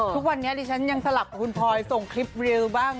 ทุกวันนี้ทีฉันสลับคุณพอร์ยส่งคลิปด้วย